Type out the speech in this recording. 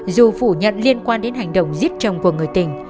dù phủ nhận liên quan đến hành động giết chồng của người tình